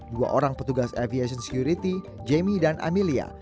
dua orang petugas aviation security jamie dan amelia